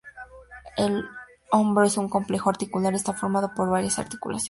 El hombro es un "complejo articular", está formado por varias articulaciones.